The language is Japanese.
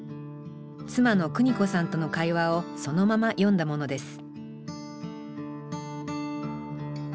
妻の邦子さんとの会話をそのまま詠んだものです